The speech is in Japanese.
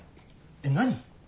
えっ何？